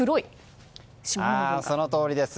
そのとおりです。